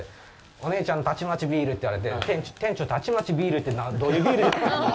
「お姉ちゃん、たちまちビール！」って言われて店長、たちまちビールってどういうビールですか？